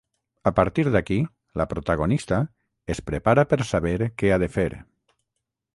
A partir d’aquí, la protagonista “es prepara per saber què ha de fer”.